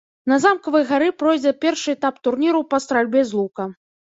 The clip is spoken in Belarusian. На замкавай гары пройдзе першы этап турніру па стральбе з лука.